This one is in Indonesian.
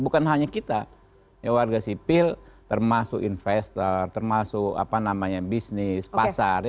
bukan hanya kita warga sipil termasuk investor termasuk bisnis pasar